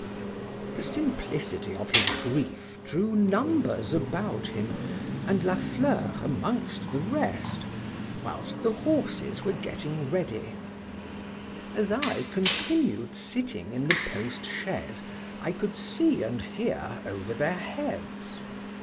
The simplicity of his grief drew numbers about him, and La Fleur amongst the rest, whilst the horses were getting ready; as I continued sitting in the post chaise, I could see and hear over their heads.